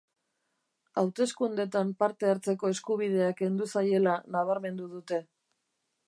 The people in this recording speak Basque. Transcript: Hauteskundeetan parte hartzeko eskubidea kendu zaiela nabarmendu dute.